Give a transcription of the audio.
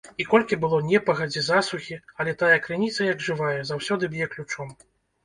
І колькі было непагадзі, засухі, але тая крыніца, як жывая, заўсёды б'е ключом.